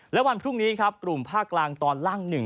และวันพรุ่งนี้ครับกลุ่มภาคกลางตอนล่างหนึ่ง